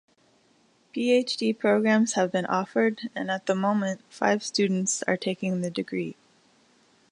Ph.D.-programmes have been offered and at the moment five students are taking the degree.